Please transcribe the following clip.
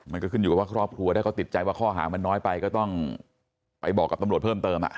มันก็ขึ้นอยู่กับว่าครอบครัวถ้าเขาติดใจว่าข้อหามันน้อยไปก็ต้องไปบอกกับตำรวจเพิ่มเติม